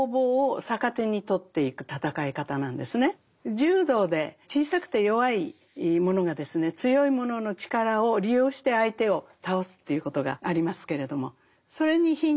柔道で小さくて弱いものがですね強いものの力を利用して相手を倒すということがありますけれどもそれにヒントを得た考え方なんです。